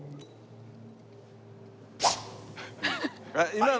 今の。